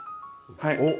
はい。